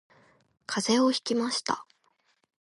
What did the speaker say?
風邪をひきました